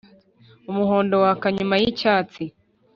Umuhondo waka nyuma y’icyatsi